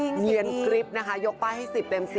เนียนกริ๊บนะคะยกป้ายให้๑๐เต็ม๑๐